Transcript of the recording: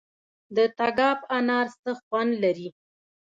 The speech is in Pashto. د تګاب انار څه خوند لري؟